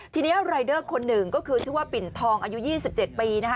ทีนี้รายเดอร์คนหนึ่งก็คือชื่อว่าปิ่นทองอายุ๒๗ปีนะคะ